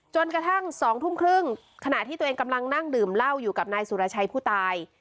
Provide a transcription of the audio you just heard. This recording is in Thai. จนกระทั่ง๒ทุ่มครึ่งขณะที่ตัวเองกำลังนั่งดื่มเหล้าอยู่กับนายสุรชัยผู้ตาย